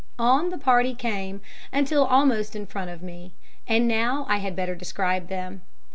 On the party came, until almost in front of me, and now I had better describe them.